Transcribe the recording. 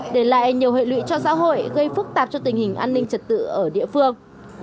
để lại nhiều hệ lụy cho xã hội gây phức tạp cho tình hình an ninh trật tự ở địa phương